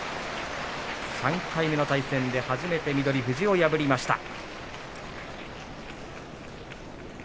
３回目の対戦で初めて翠富士を破りました。